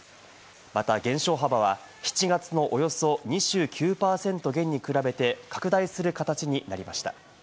また、減少幅は７月のおよそ２９％減に比べて拡大する形になりました。